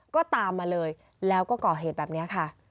ก็ตามมาเลยแล้วก็ก่อเหตุแบบนี้ค่ะ